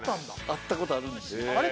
会ったことあるんですよあれ？